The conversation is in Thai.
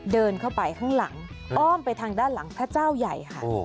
เดินเข้าไปข้างหลังอ้อมไปทางด้านหลังพระเจ้าใหญ่ค่ะ